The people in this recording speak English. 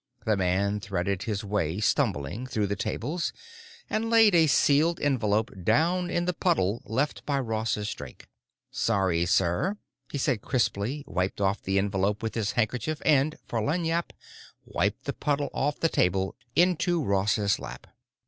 The man threaded his way, stumbling, through the tables and laid a sealed envelope down in the puddle left by Ross's drink. "Sorry, sir," he said crisply, wiped off the envelope with his handkerchief and, for lagniappe, wiped the puddle off the table into Ross's lap.